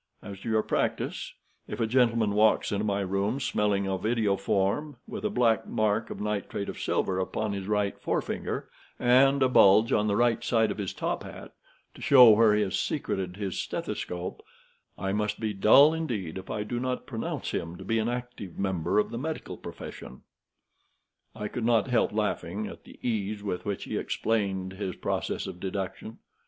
As to your practice, if a gentleman walks into my rooms, smelling of iodoform, with a black mark of nitrate of silver upon his right forefinger, and a bulge on the side of his top hat to show where he has secreted his stethoscope, I must be dull indeed if I do not pronounce him to be an active member of the medical profession." I could not help laughing at the ease with which he, explained his process of deduction.